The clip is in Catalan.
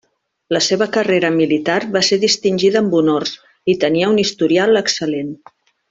La seva carrera militar va ser distingida amb honors i tenia un historial excel·lent.